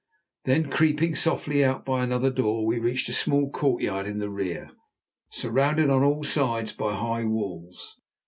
Then creeping softly out by another door, we reached a small courtyard in the rear, surrounded on all sides by high walls.